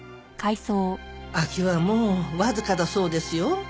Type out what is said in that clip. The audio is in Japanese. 空きはもうわずかだそうですよ。